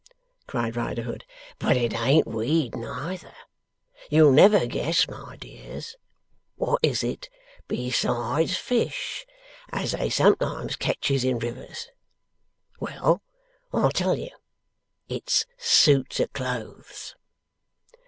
cried Riderhood. 'But it ain't weed neither. You'll never guess, my dears. Wot is it, besides fish, as they sometimes ketches in rivers? Well! I'll tell you. It's suits o' clothes.